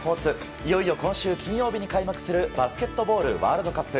いよいよ今週金曜日に開幕するバスケットボールワールドカップ。